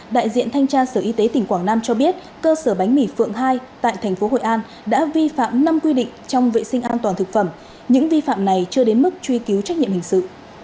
đại diện thanh tra sở y tế tỉnh quảng nam cho biết cơ sở bánh mì phượng hai tại thành phố hội an đã vi phạm năm quy định trong vệ sinh an toàn thực phẩm những vi phạm này chưa đến mức truy cứu trách nhiệm hình sự